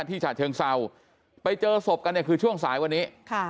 ฉะเชิงเศร้าไปเจอศพกันเนี่ยคือช่วงสายวันนี้